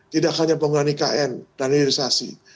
tidak hanya pengganti kn dan ilirisasi